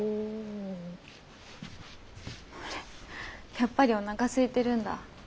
あれやっぱりおなかすいてるんだ。